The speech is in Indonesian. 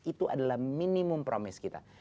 itu adalah minimum promise kita